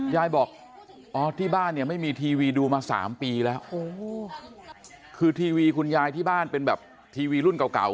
ยายบอกอ๋อที่บ้านเนี่ยไม่มีทีวีดูมา๓ปีแล้วโอ้โหคือทีวีคุณยายที่บ้านเป็นแบบทีวีรุ่นเก่า